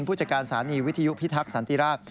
ผู้จัดการสถานีวิทยุพิทักษันติราช